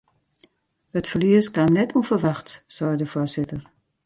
It ferlies kaam net ûnferwachts, seit de foarsitter.